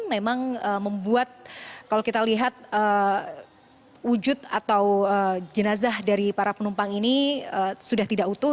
memang membuat kalau kita lihat wujud atau jenazah dari para penumpang ini sudah tidak utuh